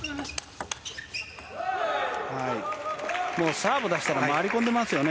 サーブ出したら回り込んでますよね。